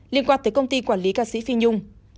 liên quan tới công ty quản lý ca sĩ phi nhung